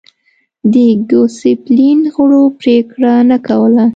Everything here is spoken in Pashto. د ګوسپلین غړو پرېکړه نه کوله.